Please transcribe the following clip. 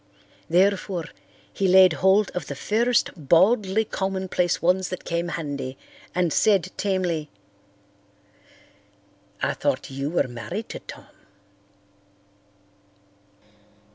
Therefore he laid hold of the first baldly commonplace ones that came handy and said tamely, "I thought you were married to Tom."